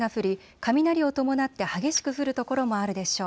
雷を伴って激しく降る所もあるでしょう。